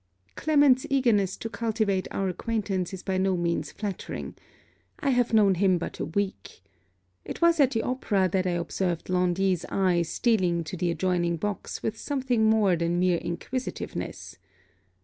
Clement's eagerness to cultivate our acquaintance is by no means flattering. I have known him but a week. It was at the opera that I observed Laundy's eye stealing to the adjoining box with something more than mere inquisitiveness.